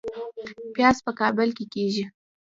پیاز په کابل کې کیږي